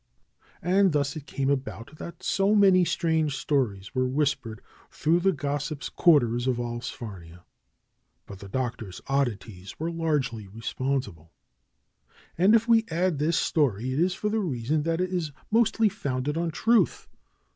And thus it came about that so many strange stories were whispered through the gossips' quarters of Alls farnia. But the Doctor's oddities were largely respon sible. And if we add this story, it is for the reason that it is mostly founded on truth.